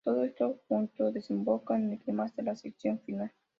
Todo esto junto desemboca en el clímax de la sección final.